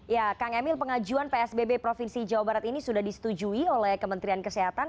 ya kang emil pengajuan psbb provinsi jawa barat ini sudah disetujui oleh kementerian kesehatan